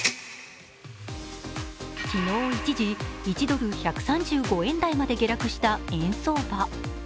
昨日、一時、１ドル＝１３５円台まで下落した円相場。